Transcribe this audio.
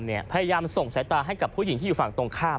พยายามส่งสายตาให้กับผู้หญิงที่อยู่ฝั่งตรงข้าม